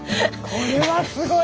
これはすごい！